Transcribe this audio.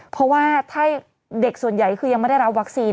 เพราะว่าถ้าเด็กส่วนใหญ่คือยังไม่ได้รับวัคซีน